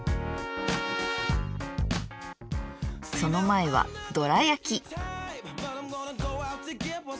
その前はドラ焼き。